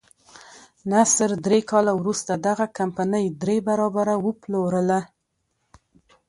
نصر درې کاله وروسته دغه کمپنۍ درې برابره وپلورله.